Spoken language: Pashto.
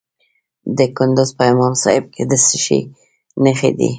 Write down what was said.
د کندز په امام صاحب کې د څه شي نښې دي؟